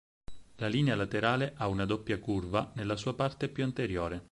La linea laterale ha una doppia curva nella sua parte più anteriore.